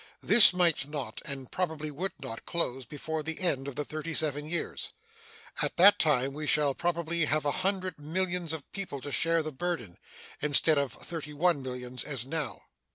This might not, and probably would not, close before the end of the thirty seven years. At that time we shall probably have a hundred millions of people to share the burden, instead of thirty one millions as now.